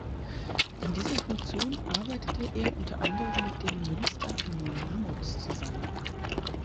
In dieser Funktion arbeitete er unter anderem mit den Münster Mammuts zusammen.